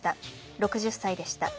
６０歳でした。